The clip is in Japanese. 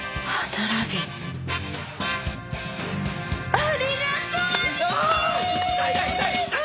ありがとう兄貴！